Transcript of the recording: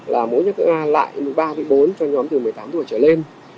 là mũ nhắc lại một mươi ba một mươi bốn cho nhóm từ một mươi tám tuổi trở lên